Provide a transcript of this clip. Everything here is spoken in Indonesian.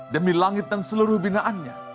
demi langit dan seluruh binaannya